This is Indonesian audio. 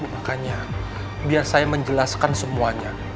makanya biar saya menjelaskan semuanya